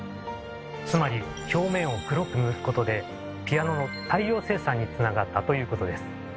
つまり表面を黒く塗ることでピアノの大量生産につながったということです。